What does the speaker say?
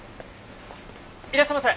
いらっしゃいませ！